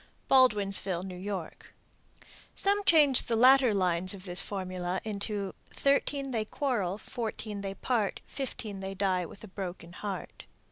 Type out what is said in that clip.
Baldwinsville, N.Y. Some change the latter lines of this formula into Thirteen they quarrel, Fourteen they part, Fifteen they die with a broken heart.